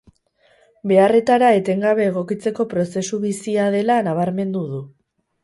Beharretara etengabe egokitzeko prozesu bizia dela nabarmendu du.